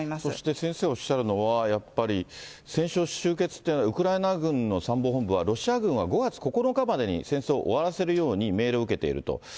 そして、先生おっしゃっているのは、やっぱり戦争終結というのは、ウクライナ軍の参謀本部は、ロシア軍は、５月９日までに戦争を終わらせるように命令を受けていると。